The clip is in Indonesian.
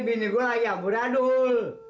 bini gue lagi amburanul